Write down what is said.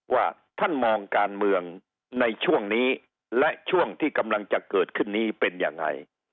ว่าท่านมองการเมืองในช่วงนี้และช่วงที่กำลังจะเกิดขึ้นนี้เป็นยังไง